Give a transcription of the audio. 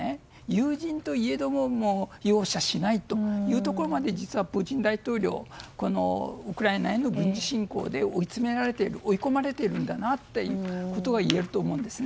友人といえども容赦しないというところまで実はプーチン大統領ウクライナへの軍事侵攻で追い詰められている追い込まれているんだなということがいえると思うんです。